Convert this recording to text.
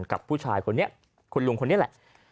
กับผู้ชายคนนี้คุณลุงคนนี้แหละ